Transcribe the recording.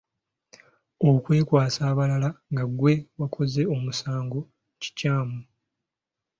Okwekwasa abalala nga ggwe wakoze omusango kikyamu.